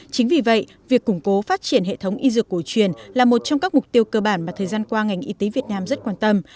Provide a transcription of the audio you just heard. chính vì vậy việc củng cố phát triển hệ thống y dược cổ truyền là một trong các mục tiêu cơ bản mà thời gian qua ngành y tế việt nam rất quan tâm